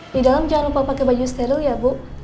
di dalam jangan lupa pakai baju steril ya bu